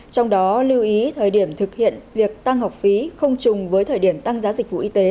trong đó lưu ý thời điểm thực hiện việc tăng học phí không chùng với thời điểm tăng giá dịch vụ y tế